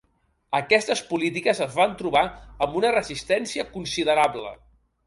Aquestes polítiques es van trobar amb una resistència considerable.